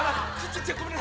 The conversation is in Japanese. ごめんね。